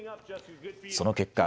その結果。